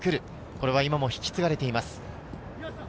これは今も引き継がれています。